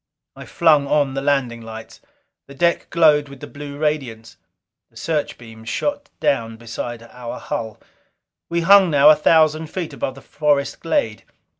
I flung on the landing lights; the deck glowed with the blue radiance; the searchbeams shot down beside our hull. We hung now a thousand feet above the forest glade.